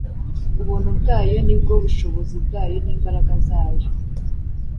Ubuntu bwayo ni bwo bushobozi bwayo n’imbaraga zayo